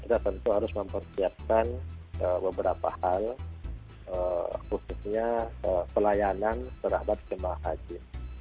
kita tentu harus mempersiapkan beberapa hal khususnya pelayanan terhadap jemaah haji